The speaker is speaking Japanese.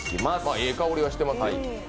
ええ香りはしてますよ